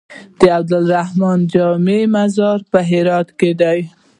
د عبدالرحمن جامي مزار په هرات کی دی